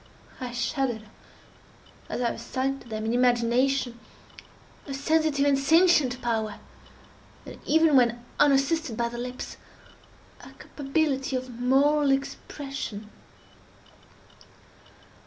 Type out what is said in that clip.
I shuddered as I assigned to them in imagination a sensitive and sentient power, and even when unassisted by the lips, a capability of moral expression.